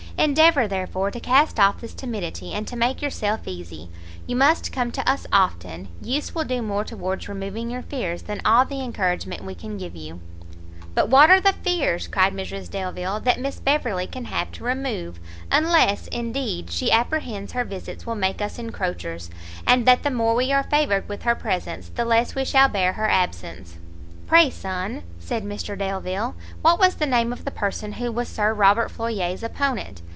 Endeavour, therefore, to cast off this timidity, and to make yourself easy. You must come to us often; use will do more towards removing your fears, than all the encouragement we can give you." "But what are the fears," cried Mrs Delvile, "that Miss Beverley can have to remove? unless, indeed, she apprehends her visits will make us encroachers, and that the more we are favoured with her presence, the less we shall bear her absence." "Pray, son," said Mr Delvile, "what was the name of the person who was Sir Robert Floyer's opponent?